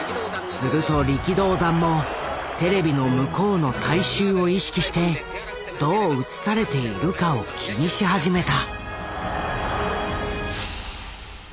すると力道山もテレビの向こうの大衆を意識してどう映されているかを気にし始めた。